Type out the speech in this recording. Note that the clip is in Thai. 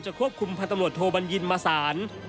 จะควบคุมพันธุ์ตำรวจโทบัญญินยื่นมาสาร